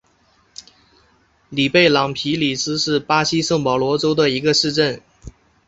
里贝朗皮里斯是巴西圣保罗州的一个市镇。